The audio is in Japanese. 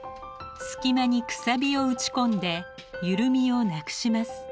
隙間にくさびを打ち込んで緩みをなくします。